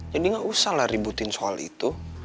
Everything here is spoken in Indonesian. jadi gak usah lah ributin soal itu